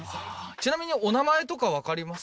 ちなみにお名前とか分かります？